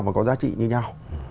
và có giá trị như nhau